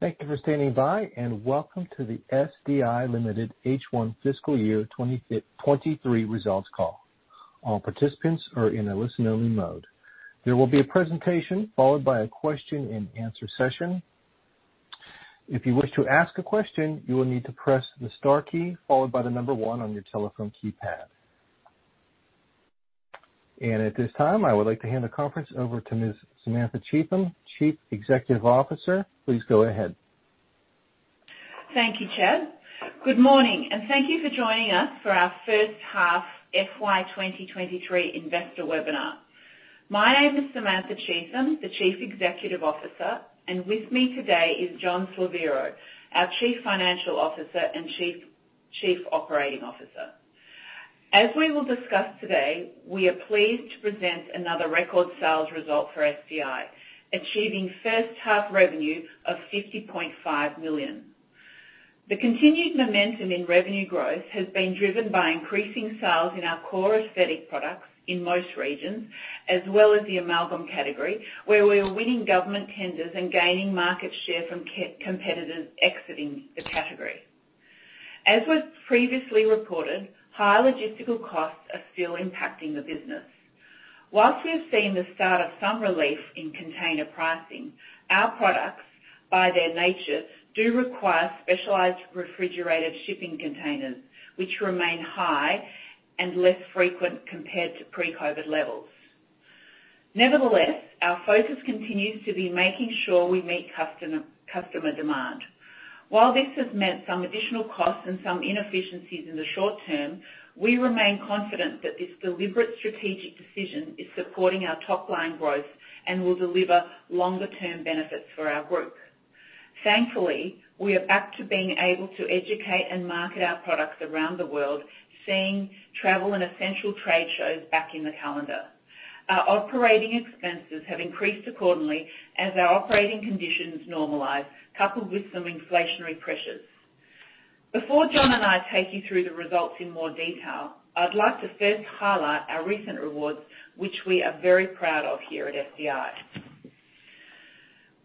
Thank you for standing by. Welcome to the SDI Limited H1 Fiscal Year 2023 results call. All participants are in a listen-only mode. There will be a presentation followed by a question-and-answer session. If you wish to ask a question, you will need to press the star key followed by the number one on your telephone keypad. At this time, I would like to hand the conference over to Ms. Samantha Cheetham, Chief Executive Officer. Please go ahead. Thank you, Chad. Good morning, and thank you for joining us for our first half FY 2023 investor webinar. My name is Samantha Cheetham, the Chief Executive Officer, and with me today is John Slaviero, our Chief Financial Officer and Chief Operating Officer. As we will discuss today, we are pleased to present another record sales result for SDI, achieving first half revenue of 50.5 million. The continued momentum in revenue growth has been driven by increasing sales in our core aesthetic products in most regions, as well as the amalgam category, where we are winning government tenders and gaining market share from competitors exiting the category. As was previously reported, high logistical costs are still impacting the business. Whilst we have seen the start of some relief in container pricing, our products, by their nature, do require specialized refrigerated shipping containers, which remain high and less frequent compared to pre-COVID levels. Nevertheless, our focus continues to be making sure we meet customer demand. While this has meant some additional costs and some inefficiencies in the short term, we remain confident that this deliberate strategic decision is supporting our top-line growth and will deliver longer-term benefits for our group. Thankfully, we are back to being able to educate and market our products around the world, seeing travel and essential trade shows back in the calendar. Our operating expenses have increased accordingly as our operating conditions normalize, coupled with some inflationary pressures. Before John and I take you through the results in more detail, I'd like to first highlight our recent awards, which we are very proud of here at SDI.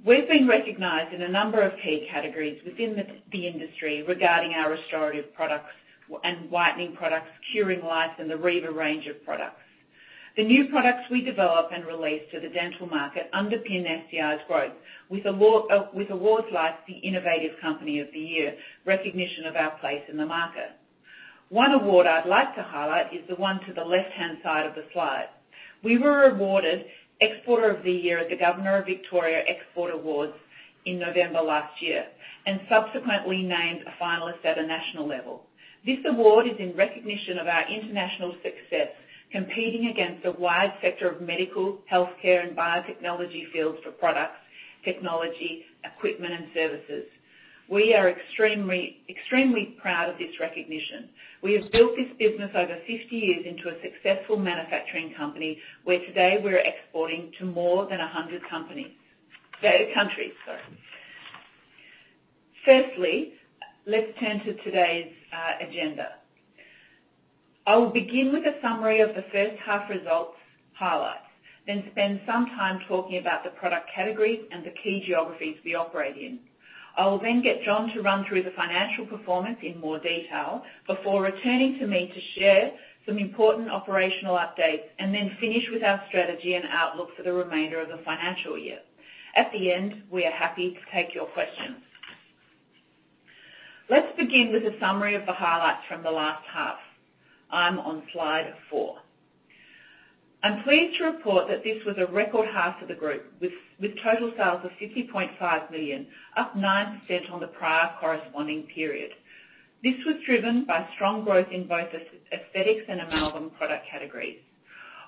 We've been recognized in a number of key categories within the industry regarding our restorative products and whitening products, curing lights, and the Riva range of products. The new products we develop and release to the dental market underpin SDI's growth with awards like the Innovative Company of the Year, recognition of our place in the market. One award I'd like to highlight is the one to the left-hand side of the slide. We were awarded Exporter of the Year at the Governor of Victoria Export Awards in November last year. Subsequently named a finalist at a national level. This award is in recognition of our international success, competing against a wide sector of medical, healthcare, and biotechnology fields for products, technology, equipment, and services. We are extremely proud of this recognition. We have built this business over 50 years into a successful manufacturing company, where today we're exporting to more than 100 companies, countries, sorry. Firstly, let's turn to today's agenda. I will begin with a summary of the first half results highlights, then spend some time talking about the product categories and the key geographies we operate in. I will then get John to run through the financial performance in more detail before returning to me to share some important operational updates, and then finish with our strategy and outlook for the remainder of the financial year. At the end, we are happy to take your questions. Let's begin with a summary of the highlights from the last half. I'm on Slide 4. I'm pleased to report that this was a record half for the group with total sales of 50.5 million, up 9% on the prior corresponding period. This was driven by strong growth in both as-aesthetics and amalgam product categories.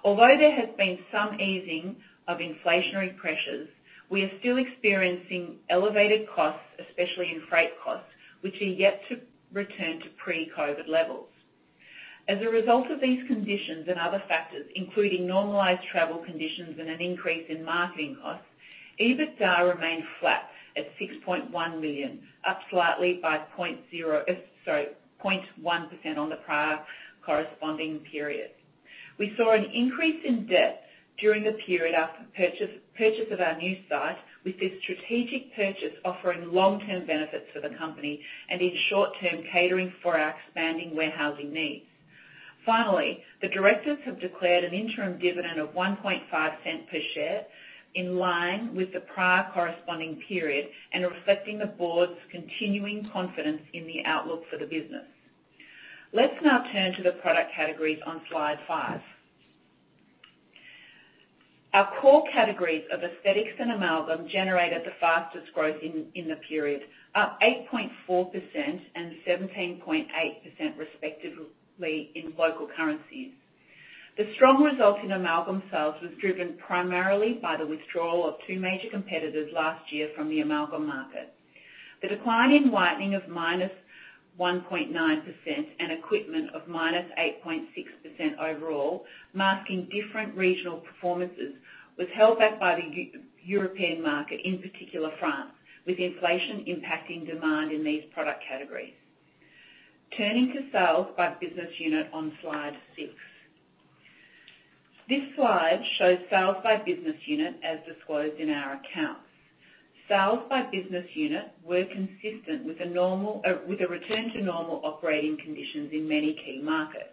Although there has been some easing of inflationary pressures, we are still experiencing elevated costs, especially in freight costs, which are yet to return to pre-COVID levels. As a result of these conditions and other factors, including normalized travel conditions and an increase in marketing costs, EBITDA remained flat at 6.1 million, up slightly by 0.1% on the prior corresponding period. We saw an increase in debt during the period after purchase of our new site, with this strategic purchase offering long-term benefits for the company and in short-term catering for our expanding warehousing needs. Finally, the directors have declared an interim dividend of 0.015 per share in line with the prior corresponding period and reflecting the board's continuing confidence in the outlook for the business. Let's now turn to the product categories on Slide 5. Our core categories of aesthetics and amalgam generated the fastest growth in the period, up 8.4% and 17.8% respectively in local currencies. The strong result in amalgam sales was driven primarily by the withdrawal of two major competitors last year from the amalgam market. The decline in whitening of -1.9% and equipment of -8.6% overall, masking different regional performances, was held back by the European market, in particular France, with inflation impacting demand in these product categories. Turning to sales by business unit on Slide 6. This slide shows sales by business unit as disclosed in our accounts. Sales by business unit were consistent with the normal, with a return to normal operating conditions in many key markets.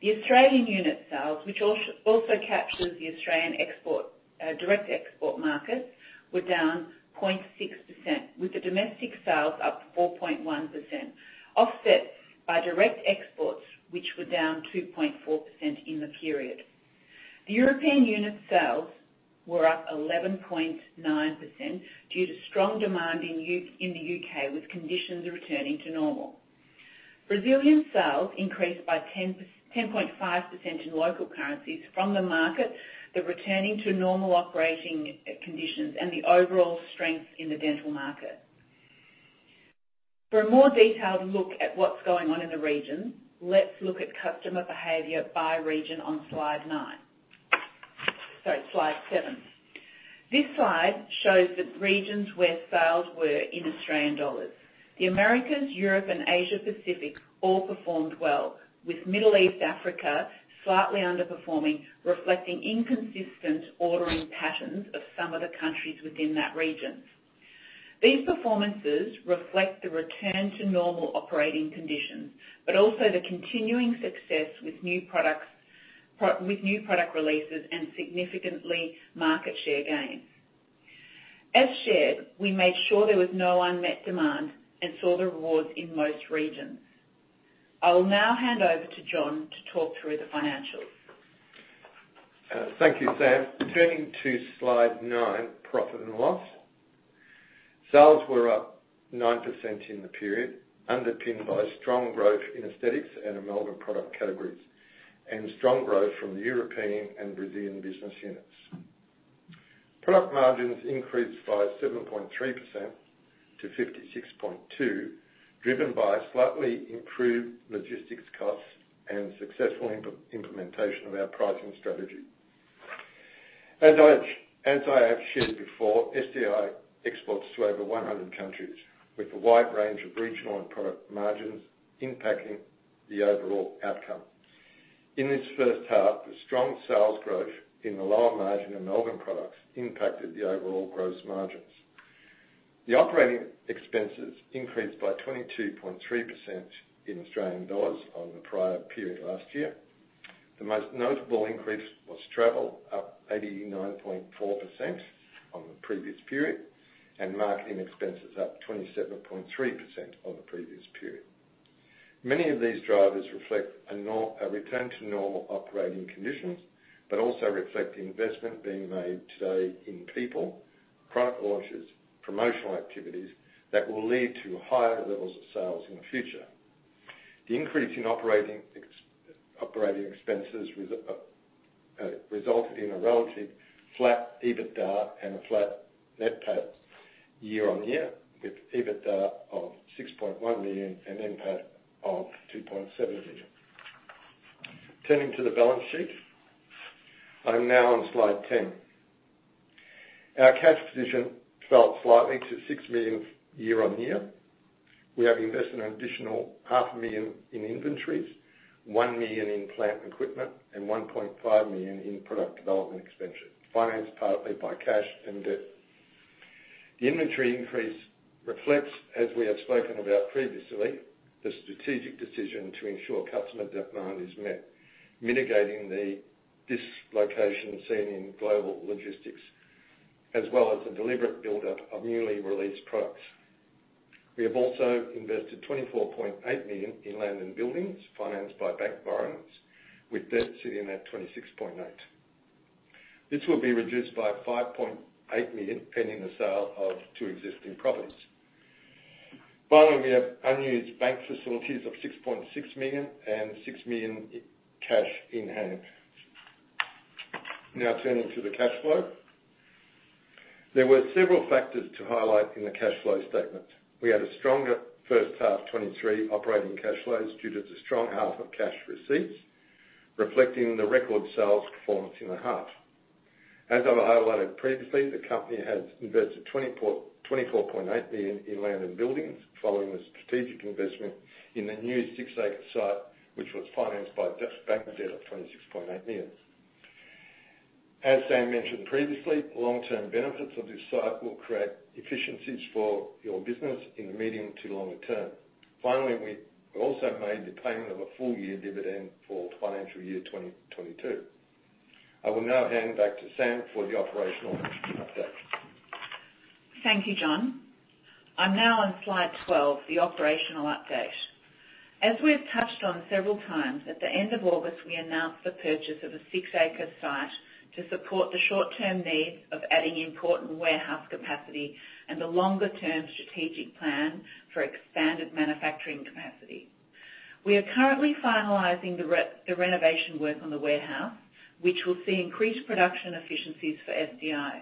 The Australian unit sales, which also captures the Australian export, direct export markets, were down 0.6%, with the domestic sales up 4.1%, offset by direct exports, which were down 2.4% in the period. The European unit sales were up 11.9% due to strong demand in the U.K., with conditions returning to normal. Brazilian sales increased by 10.5% in local currencies from the market, returning to normal operating conditions and overall strength in the dental market. For a more detailed look at what's going on in the region, let's look at customer behavior by region on Slide 9. Sorry, Slide 7. This slide shows the regions where sales were in Australian dollars. The Americas, Europe and Asia-Pacific all performed well, with Middle East, Africa slightly underperforming, reflecting inconsistent ordering patterns of some of the countries within that region. These performances reflect the return to normal operating conditions, also the continuing success with new products, with new product releases and significantly market share gains. As shared, we made sure there was no unmet demand and saw the rewards in most regions. I'll now hand over to John to talk through the financials. Thank you, Sam. Turning to Slide 9, profit and loss. Sales were up 9% in the period, underpinned by strong growth in aesthetics and amalgam product categories and strong growth from the European and Brazilian business units. Product margins increased by 7.3% to 56.2%, driven by slightly improved logistics costs and successful implementation of our pricing strategy. As I have shared before, SDI exports to over 100 countries with a wide range of regional and product margins impacting the overall outcome. In this first half, the strong sales growth in the lower margin amalgam products impacted the overall gross margins. The operating expenses increased by 22.3% in Australian dollars on the prior period last year. The most notable increase was travel, up 89.4% on the previous period, and marketing expenses up 27.3% on the previous period. Many of these drivers reflect a return to normal operating conditions, but also reflect the investment being made today in people, product launches, promotional activities that will lead to higher levels of sales in the future. The increase in operating expenses resulted in a relatively flat EBITDA and a flat NPAT year-on-year, with EBITDA of 6.1 million and NPAT of 2.7 million. Turning to the balance sheet. I'm now on Slide 10. Our cash position fell slightly to 6 million year-on-year. We have invested an additional 500,000 in inventories, 1 million in plant equipment, and 1.5 million in product development expenditure, financed partly by cash and debt. The inventory increase reflects, as we have spoken about previously, the strategic decision to ensure customer demand is met, mitigating the dislocation seen in global logistics, as well as the deliberate buildup of newly released products. We have also invested 24.8 million in land and buildings financed by bank borrowings, with debt sitting at 26.8. This will be reduced by 5.8 million, pending the sale of two existing properties. Finally, we have unused bank facilities of 6.6 million and 6 million cash in hand. Turning to the cash flow. There were several factors to highlight in the cash flow statement. We had a stronger first half 2023 operating cash flows due to the strong half of cash receipts, reflecting the record sales performance in the half. As I've highlighted previously, the company has invested 24.8 million in land and buildings following the strategic investment in the new 6-acre site, which was financed by just bank debt of 26.8 million. As Sam mentioned previously, long-term benefits of this site will create efficiencies for your business in the medium to longer term. We also made the payment of a full year dividend for financial year 2022. I will now hand back to Sam for the operational update. Thank you, John. I'm now on Slide 12, the operational update. As we've touched on several times, at the end of August, we announced the purchase of a six-acre site to support the short-term needs of adding important warehouse capacity and the longer-term strategic plan for expanded manufacturing capacity. We are currently finalizing the renovation work on the warehouse, which will see increased production efficiencies for SDI.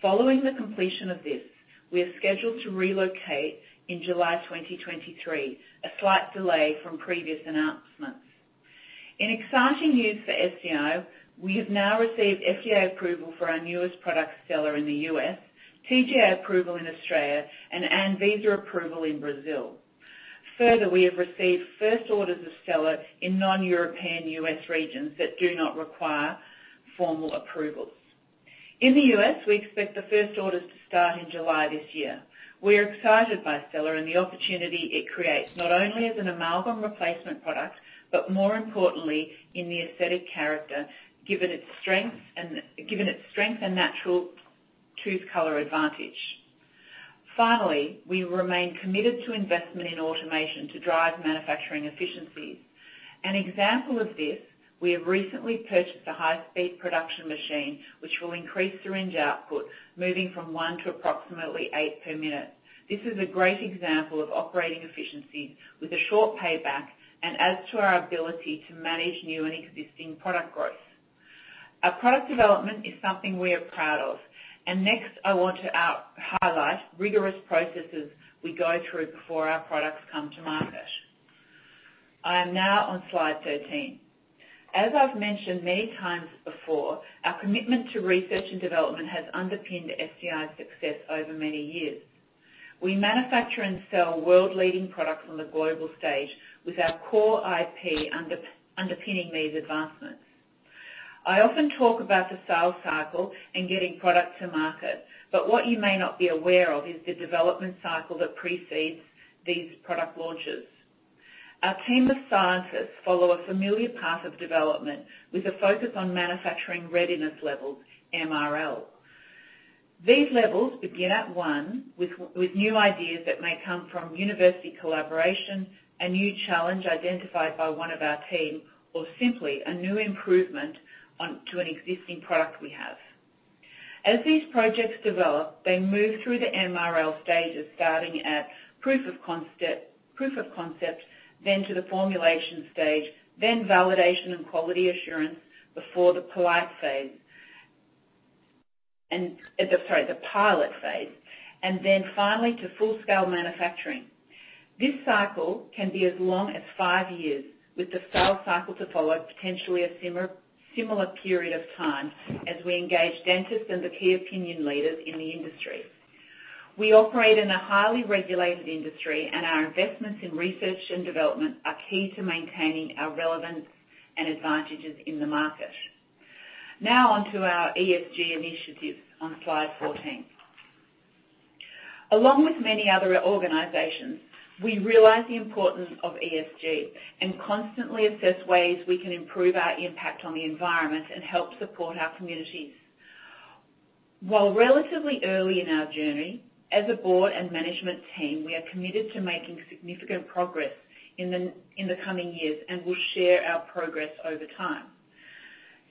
Following the completion of this, we are scheduled to relocate in July 2023, a slight delay from previous announcements. In exciting news for SDI, we have now received FDA approval for our newest product Stela in the U.S., TGA approval in Australia, and ANVISA approval in Brazil. Further, we have received first orders of Stela in non-European U.S. regions that do not require formal approvals. In the U.S., we expect the first orders to start in July this year. We are excited by Stela and the opportunity it creates, not only as an amalgam replacement product, but more importantly in the aesthetic character, given its strength and natural tooth color advantage. Finally, we remain committed to investment in automation to drive manufacturing efficiencies. An example of this, we have recently purchased a high-speed production machine, which will increase syringe output, moving from one to approximately eight per minute. This is a great example of operating efficiencies with a short payback and adds to our ability to manage new and existing product growth. Our product development is something we are proud of. Next, I want to highlight rigorous processes we go through before our products come to market. I am now on slide 13. As I've mentioned many times before, our commitment to research and development has underpinned SDI's success over many years. We manufacture and sell world-leading products on the global stage with our core IP underpinning these advancements. I often talk about the sales cycle and getting product to market, but what you may not be unaware of is the development cycle that precedes these product launches. Our team of scientists follow a familiar path of development with a focus on manufacturing readiness levels, MRL. These levels begin at one with new ideas that may come from university collaboration, a new challenge identified by one of our team, or simply a new improvement to an existing product we have. As these projects develop, they move through the MRL stages, starting at proof of concept, then to the formulation stage, then validation and quality assurance before the polite phase. Sorry, the pilot phase. Then finally to full-scale manufacturing. This cycle can be as long as five years, with the sales cycle to follow, potentially a similar period of time as we engage dentists and the key opinion leaders in the industry. We operate in a highly regulated industry. Our investments in research and development are key to maintaining our relevance and advantages in the market. On to our ESG initiatives on Slide 14. Along with many other organizations, we realize the importance of ESG and constantly assess ways we can improve our impact on the environment and help support our communities. While relatively early in our journey, as a board and management team, we are committed to making significant progress in the coming years and will share our progress over time.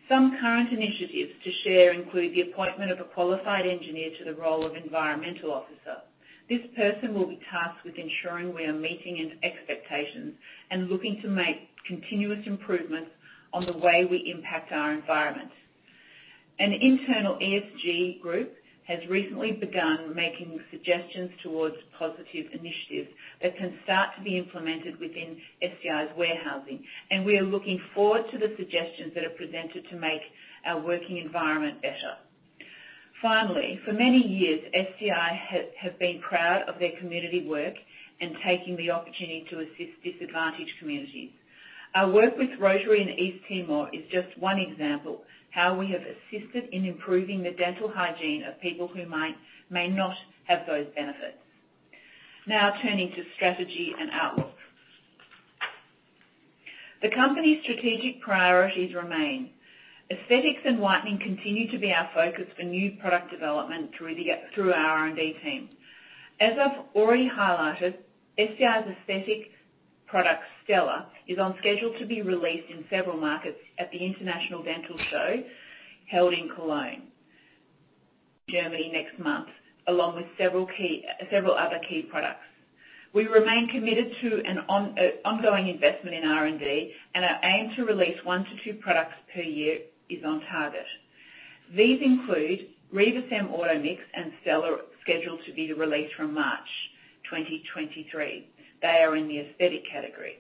Some current initiatives to share include the appointment of a qualified engineer to the role of environmental officer. This person will be tasked with ensuring we are meeting expectations and looking to make continuous improvements on the way we impact our environment. An internal ESG group has recently begun making suggestions towards positive initiatives that can start to be implemented within SDI's warehousing, and we are looking forward to the suggestions that are presented to make our working environment better. Finally, for many years, SDI has been proud of their community work and taking the opportunity to assist disadvantaged communities. Our work with Rotary in East Timor is just one example how we have assisted in improving the dental hygiene of people who may not have those benefits. Now turning to strategy and outlook. The company's strategic priorities remain. Aesthetics and whitening continue to be our focus for new product development through our R&D team. As I've already highlighted, SDI's aesthetic product, Stela, is on schedule to be released in several markets at the International Dental Show held in Cologne, Germany next month, along with several other key products. We remain committed to an ongoing investment in R&D, our aim to release one to two products per year is on target. These include Riva Cem Automix and Stela, scheduled to be released from March 2023. They are in the aesthetic category.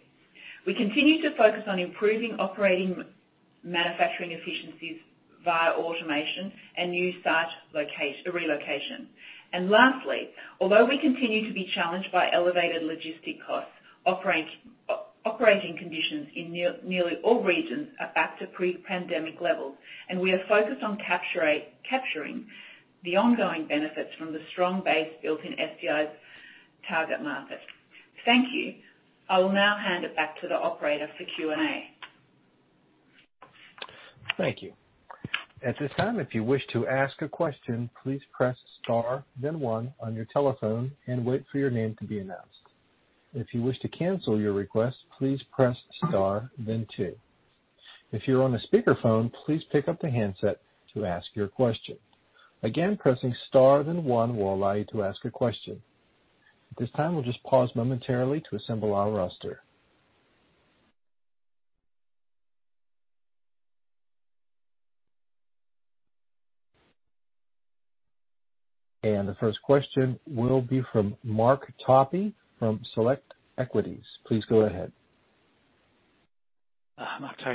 We continue to focus on improving operating manufacturing efficiencies via automation and new site relocation. Lastly, although we continue to be challenged by elevated logistic costs, operating conditions in nearly all regions are back to pre-pandemic levels, and we are focused on capturing the ongoing benefits from the strong base built in SDI's target market. Thank you. I will now hand it back to the operator for Q&A. Thank you. At this time, if you wish to ask a question, please press star then one on your telephone and wait for your name to be announced. If you wish to cancel your request, please press star then two. If you're on a speakerphone, please pick up the handset to ask your question. Again, pressing star then one will allow you to ask a question. At this time, we'll just pause momentarily to assemble our roster. The first question will be from Mark Topy from Select Equities. Please go ahead.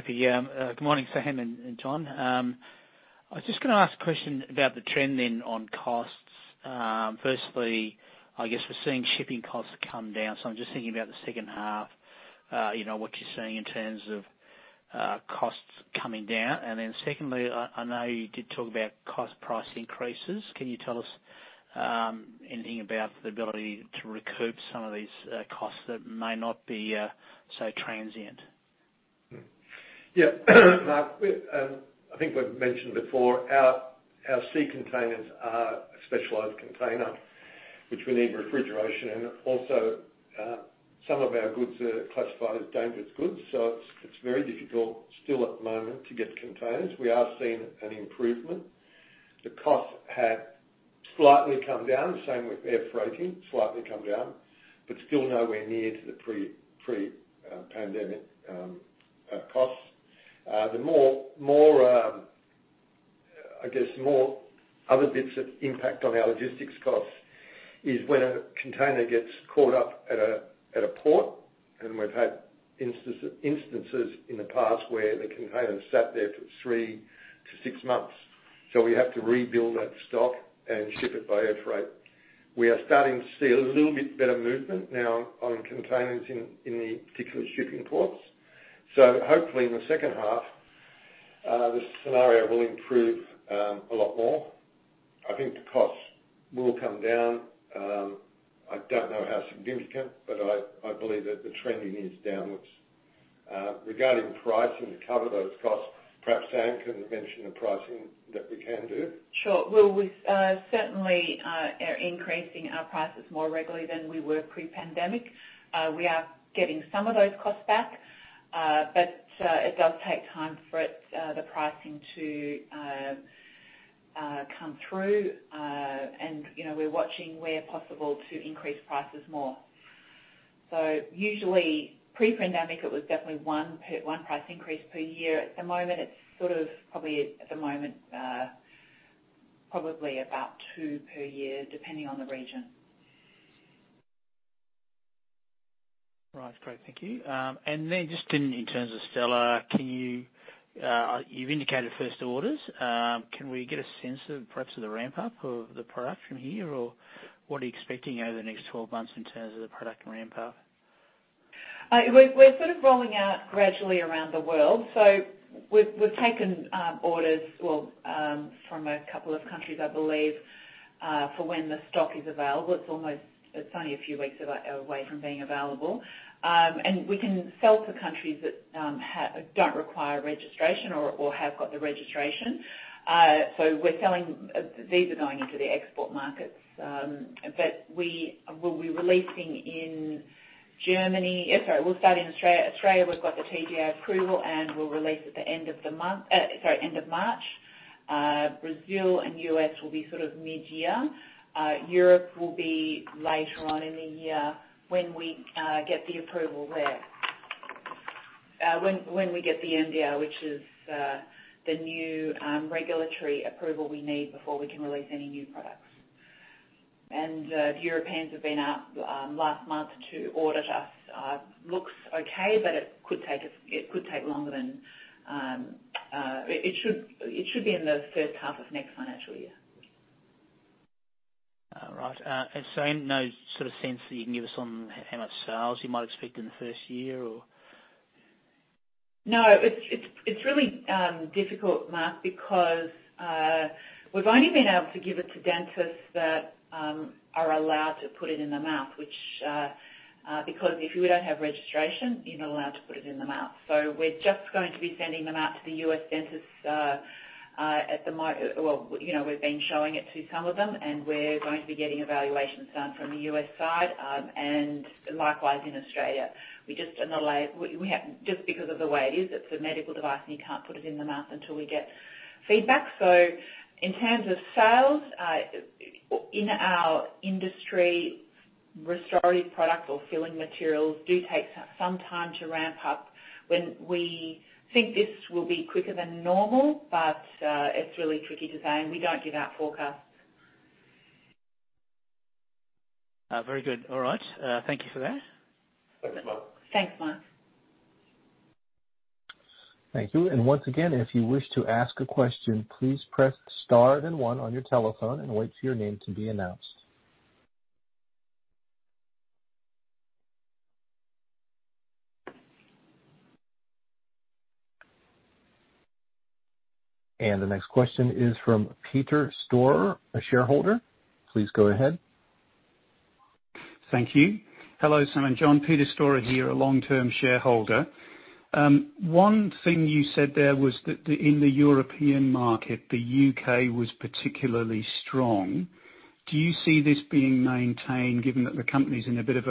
Yeah. Good morning, Sam and John. I was just gonna ask a question about the trend then on costs. Firstly, I guess we're seeing shipping costs come down, so I'm just thinking about the second half, you know, what you're seeing in terms of costs coming down. Secondly, I know you did talk about cost price increases. Can you tell us anything about the ability to recoup some of these costs that may not be so transient? Mark, we, I think we've mentioned before our C containers are a specialized container, which we need refrigeration and also some of our goods are classified as dangerous goods. It's very difficult still at the moment to get containers. We are seeing an improvement. The costs have slightly come down, same with air freighting, slightly come down, but still nowhere near to the pre-pandemic costs. The more, I guess more other bits of impact on our logistics costs is when a container gets caught up at a port. We've had instances in the past where the container's sat there for three to six months. We have to rebuild that stock and ship it by air freight. We are starting to see a little bit better movement now on containers in the particular shipping ports. Hopefully in the second half, the scenario will improve a lot more. I think the costs will come down. I don't know how significant, but I believe that the trending is downwards. Regarding pricing to cover those costs, perhaps Sam can mention the pricing that we can do. Sure. Well, we certainly are increasing our prices more regularly than we were pre-pandemic. We are getting some of those costs back, but it does take time for it, the pricing to come through. You know, we're watching where possible to increase prices more. Usually pre-pandemic, it was definitely one price increase per year. At the moment, it's sort of probably at the moment, probably about two per year, depending on the region. Right. Great. Thank you. Just in terms of Stela, can you've indicated first orders. Can we get a sense of perhaps of the ramp up of the production here or what are you expecting over the next 12 months in terms of the product ramp up? We're sort of rolling out gradually around the world. We've taken orders from a couple of countries, I believe, for when the stock is available. It's only a few weeks away from being available. We can sell to countries that don't require registration or have got the registration. We're selling these are going into the export markets. We will be releasing in Germany. We'll start in Australia. Australia, we've got the TGA approval, and we'll release at the end of the month, end of March. Brazil and U.S. will be sort of mid-year. Europe will be later on in the year when we get the approval there. When we get the MDR, which is the new regulatory approval we need before we can release any new products. The Europeans have been up last month to audit us. Looks okay, but it could take us longer than it should be in the first half of next financial year. All right. No sort of sense that you can give us on how much sales you might expect in the first year or? No, it's really difficult, Mark, because we've only been able to give it to dentists that are allowed to put it in the mouth, which, because if you don't have registration, you're not allowed to put it in the mouth. We're just going to be sending them out to the U.S. dentists. Well, you know, we've been showing it to some of them, and we're going to be getting evaluations done from the U.S. side, and likewise in Australia. We have, just because of the way it is, it's a medical device and you can't put it in the mouth until we get feedback. In terms of sales, in our industry, restorative products or filling materials do take some time to ramp up. When we think this will be quicker than normal, but, it's really tricky to say, and we don't give out forecasts. Very good. All right. Thank you for that. Thanks, Mark. Thanks, Mark. Thank you. Once again, if you wish to ask a question, please press star then one on your telephone and wait for your name to be announced. The next question is from Peter Storer, a shareholder. Please go ahead. Thank you. Hello, Sam and John. Peter Storer here, a long-term shareholder. One thing you said there was that in the European market, the U.K. was particularly strong. Do you see this being maintained given that the country's in a bit of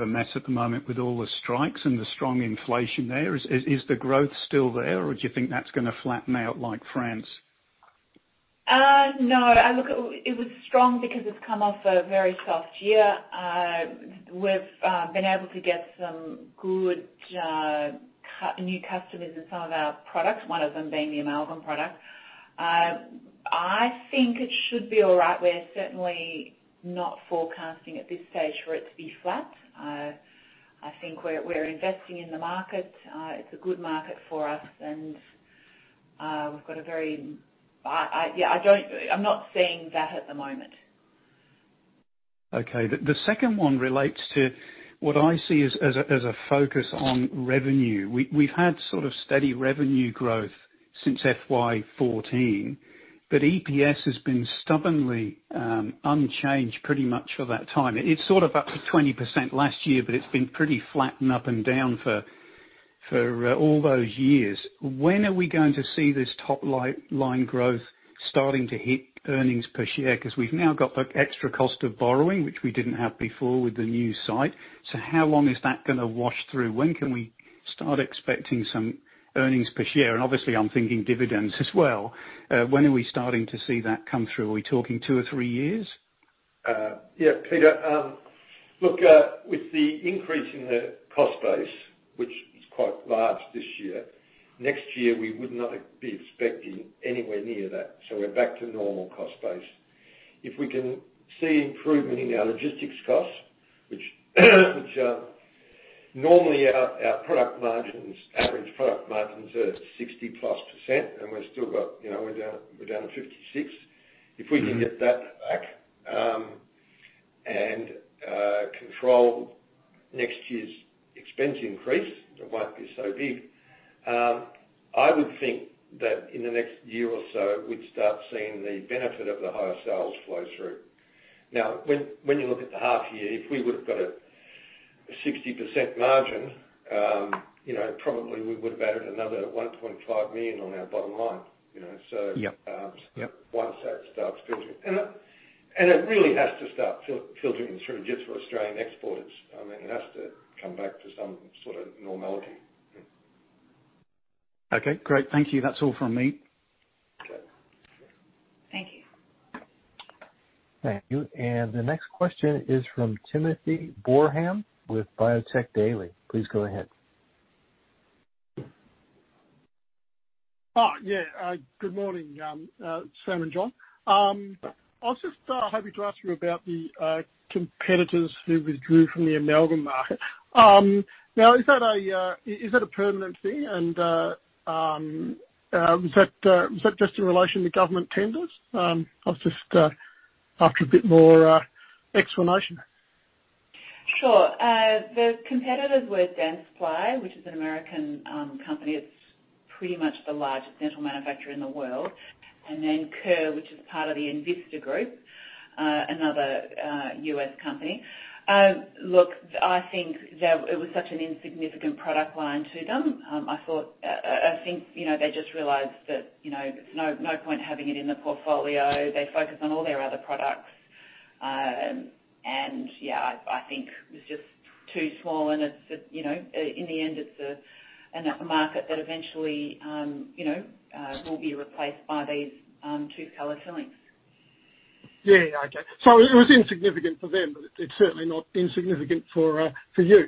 a mess at the moment with all the strikes and the strong inflation there? Is the growth still there, or do you think that's gonna flatten out like France? No. I look at. It was strong because it's come off a very soft year. We've been able to get some good new customers in some of our products, one of them being the amalgam product. I think it should be all right. We're certainly not forecasting at this stage for it to be flat. I think we're investing in the market. It's a good market for us, and we've got a very. I. Yeah, I don't. I'm not seeing that at the moment. Okay. The second one relates to what I see as a focus on revenue. We've had sort of steady revenue growth since FY 2014, but EPS has been stubbornly unchanged pretty much for that time. It's sort of up to 20% last year, but it's been pretty flat and up and down for all those years. When are we going to see this top line growth starting to hit earnings per share? Because we've now got the extra cost of borrowing, which we didn't have before with the new site. How long is that gonna wash through? When can we start expecting some earnings per share? Obviously I'm thinking dividends as well. When are we starting to see that come through? Are we talking two or three years? Yeah, Peter, look, with the increase in the cost base, which is quite large this year, next year, we would not be expecting anywhere near that, so we're back to normal cost base. If we can see improvement in our logistics costs, which normally our product margins, average product margins are 60%+, and we've still got, you know, we're down to 56%. Mm-hmm. If we can get that back, and control next year's expense increase, it won't be so big. I would think that in the next year or so, we'd start seeing the benefit of the higher sales flow through. When you look at the half year, if we would've got a 60% margin, you know, probably we would've added another 1.5 million on our bottom line, you know. Yeah. Yep. Once that starts filtering. It really has to start filtering through just for Australian exporters. I mean, it has to come back to some sort of normality. Okay, great. Thank you. That's all from me. Okay. Thank you. Thank you. The next question is from Tim Boreham with Biotech Daily. Please go ahead. Yeah. Good morning, Sam and John. I was just hoping to ask you about the competitors who withdrew from the amalgam market. Now, is that a permanent thing? Was that just in relation to government tenders? I was just after a bit more explanation. Sure. The competitors were Dentsply, which is an American company. Then Kerr, which is part of the Envista group, another U.S. company. Look, I think that it was such an insignificant product line to them. I thought, I think, you know, they just realized that, you know, there's no point having it in the portfolio. They focus on all their other products. Yeah, I think it was just too small, and it's, you know, in the end it's a, an market that eventually, you know, will be replaced by these two color fillings. Yeah, yeah. Okay. It was insignificant for them, but it's certainly not insignificant for you.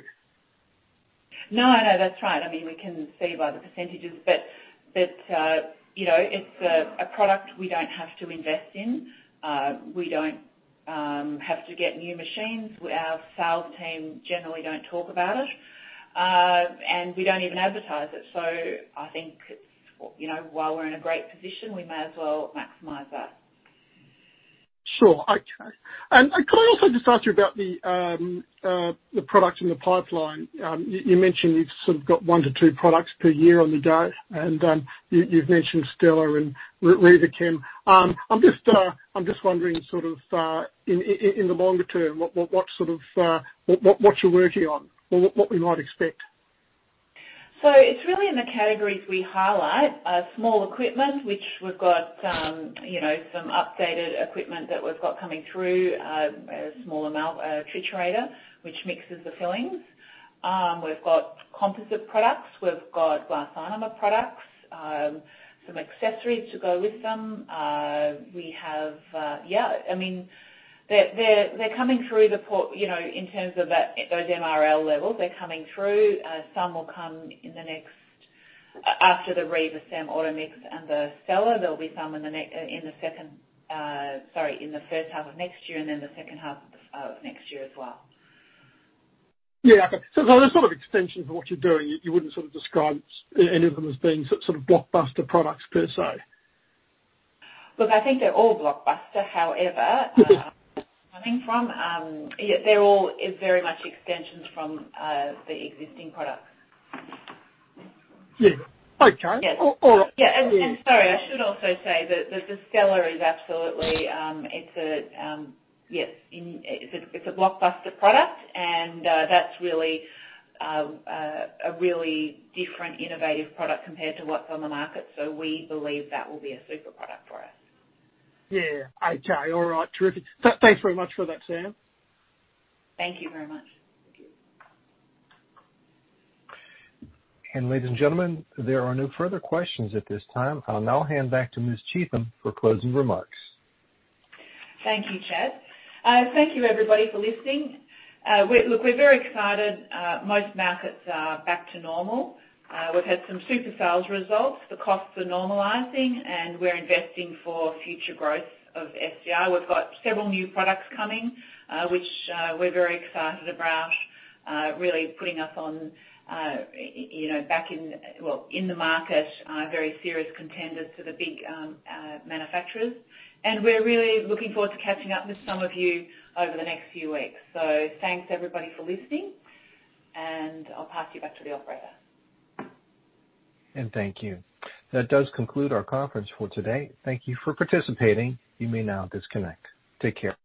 No, no, that's right. I mean, we can see by the percentages, but, you know, it's a product we don't have to invest in. We don't have to get new machines. Our sales team generally don't talk about it, and we don't even advertise it. I think it's, you know, while we're in a great position, we may as well maximize that. Sure. I, and could I also just ask you about the products in the pipeline. You mentioned you've sort of got one to two products per year on the go, and you've mentioned Stela and Riva Cem. I'm just wondering sort of in the longer term, what sort of what you're working on or what we might expect? It's really in the categories we highlight, small equipment, which we've got, you know, some updated equipment that we've got coming through, a small amount, triturator, which mixes the fillings. We've got composite products, we've got glass ionomer products, some accessories to go with them. We have, yeah, I mean, they're, they're coming through, you know, in terms of that, those MRL levels, they're coming through. Some will come in the next, after the Riva Cem Automix and the Stela. There'll be some in the second, sorry, in the first half of next year, and then the second half of next year as well. Yeah. Okay. They're sort of extensions of what you're doing. You wouldn't sort of describe any of them as being sort of blockbuster products per se? Look, I think they're all blockbuster. coming from, yeah, they're all very much extensions from the existing products. Yeah. Okay. Yes. All right. Yeah. Sorry, I should also say that the Stela is absolutely, it's a blockbuster product, that's a really different innovative product compared to what's on the market. We believe that will be a super product for us. Yeah. Okay. All right. Terrific. Thanks very much for that, Sam. Thank you very much. Thank you. Ladies and gentlemen, there are no further questions at this time. I'll now hand back to Ms. Cheetham for closing remarks. Thank you, Chad. Thank you everybody for listening. Look, we're very excited. Most markets are back to normal. We've had some super sales results. The costs are normalizing, and we're investing for future growth of SDI. We've got several new products coming, which, we're very excited about. Really putting us on, you know, back in, well, in the market, very serious contenders to the big manufacturers. We're really looking forward to catching up with some of you over the next few weeks. Thanks everybody for listening, and I'll pass you back to the Operator. Thank you. That does conclude our conference for today. Thank you for participating. You may now disconnect. Take care.